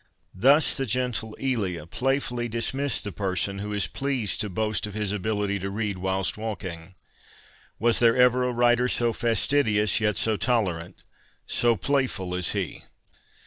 Thus the gentle Elia playfully dismissed the person who is pleased to boast of his ability to read whilst walking. Was there ever a writer so fasti dious, yet so tolerant, so playful as he